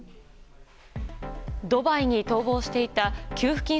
ドバイに逃亡していた給付金